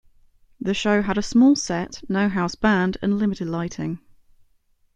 The show had a small set, no house band, and limited lighting.